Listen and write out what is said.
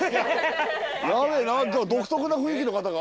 独特な雰囲気の方が。